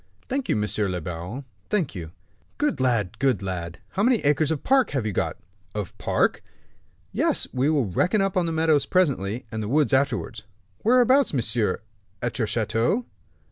"Thank you, monsieur le baron, thank you." "Good lad, good lad! How many acres of park have you got?" "Of park?" "Yes; we will reckon up the meadows presently, and the woods afterwards." "Whereabouts, monsieur?" "At your chateau."